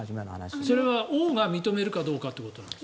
それは王が認めるかどうかということですか？